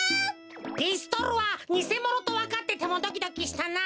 ピストルはにせものとわかっててもドキドキしたなあ。